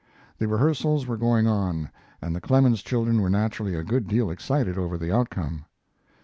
The rehearsals were going on, and the Clemens children were naturally a good deal excited over the outcome.